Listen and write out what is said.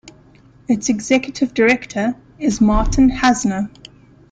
Its executive director is Martin Hassner.